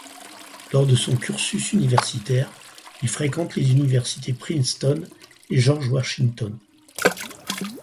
Lors de son cursus universitaire, il fréquente les universités Princeton et George-Washington.